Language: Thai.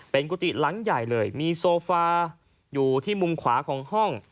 เป็นกุฏิหลังใหญ่เลยมีโซฟาอยู่ที่มุมขวาของห้อง